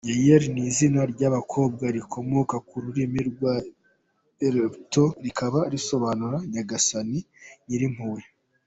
Gaelle ni izina ry’abakobwa rikomoka ku rurimi rw’Ikibreton rikaba risobanura “Nyagasani nyirimpuhwe”.